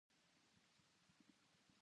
果てしなく果てしなくどこまでも